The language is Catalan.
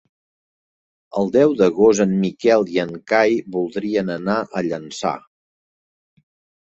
El deu d'agost en Miquel i en Cai voldrien anar a Llançà.